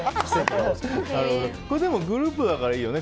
でもグループだからいいよね。